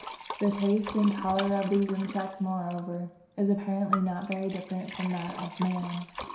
The taste in colour of these insects, moreover, is apparently not very different from that of man.